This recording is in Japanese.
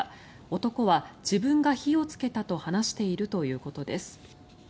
男は、自分が火をつけたと話しているということです。